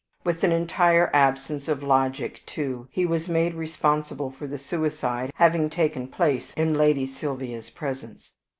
With an entire absence of logic, too, he was made responsible for the suicide having taken place in Lady Sylvia's presence.